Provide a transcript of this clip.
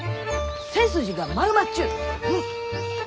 背筋が丸まっちゅう！